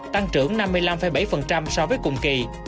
tăng trưởng năm mươi năm bảy so với cùng kỳ